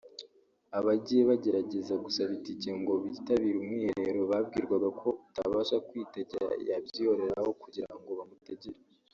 Abagiye bagerageza gusaba itike ngo bitabire umwiherero babwirwaga ko utabasha kwitegera yabyihorera aho kugira ngo bamutegere